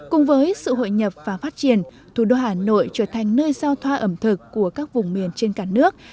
cùng với sự hội nhập và phát triển thủ đô hà nội trở thành nơi giao thoa ẩm thực của các vùng miền trên cả nước